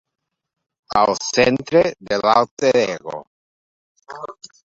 Al centre de l'alter ego.